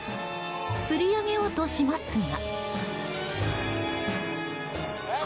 釣り上げようとしますが。